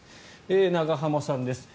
永濱さんです。